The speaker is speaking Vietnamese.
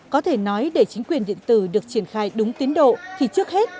có thể nói để chính quyền điện tử được triển khai đúng tiến độ thì trước hết